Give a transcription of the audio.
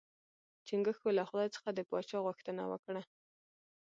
چنګښو له خدای څخه د پاچا غوښتنه وکړه.